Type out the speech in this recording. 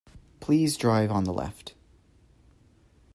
Please drive on the left.